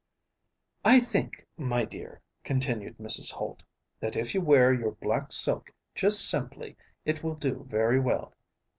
"I think, my dear," continued Mrs. Holt, "that if you wear your black silk just simply, it will do very well."